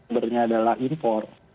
contohnya adalah impor